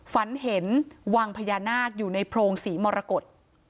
ฝันเห็นวังพญานาคอยู่ในโพรงศรีมรกฏ